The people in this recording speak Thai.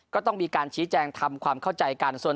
ก็ต้องมีการชี้แจงทำความเข้าใจกัน